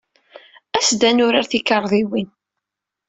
As-d ad nurar tikarḍiwin.